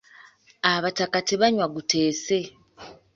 Abataka tebanywa guteese.